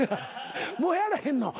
もうやらへんの？